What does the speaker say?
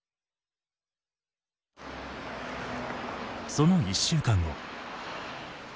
その１週間後。